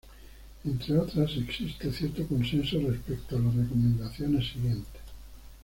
Entre otras, existe cierto consenso respecto a las recomendaciones siguientes.